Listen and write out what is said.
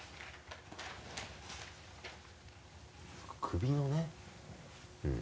首のね。